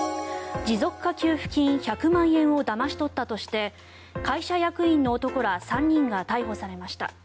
持続化給付金１００万円をだまし取ったとして会社役員の男ら３人が逮捕されました。